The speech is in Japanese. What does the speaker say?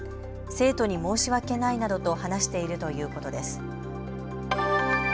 生徒に申し訳ないなどと話しているということです。